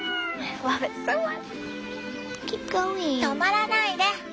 止まらないで。